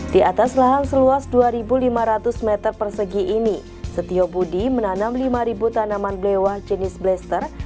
di atas lahan seluas dua lima ratus meter persegi ini setio budi menanam lima tanaman blewah jenis blaster